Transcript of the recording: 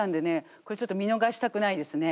これちょっと見逃したくないですね。